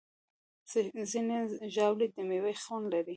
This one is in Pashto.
ځینې ژاولې د میوې خوند لري.